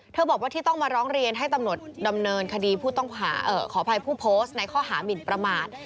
บอกว่าที่ต้องมาร้องเรียนให้ตำรวจดำเนินคดีขออภัยผู้โพสต์ในข้อหามินประมาท